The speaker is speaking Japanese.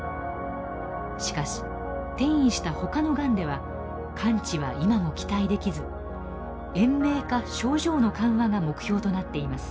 しかし転移したほかのがんでは完治は今も期待できず延命か症状の緩和が目標となっています。